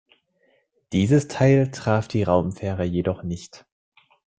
Dieses Teil traf die Raumfähre jedoch nicht.